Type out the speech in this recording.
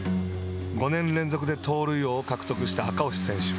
５年連続で盗塁王を獲得した赤星選手。